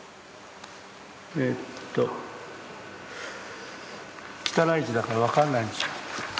えっと汚い字だから分かんないんですよ。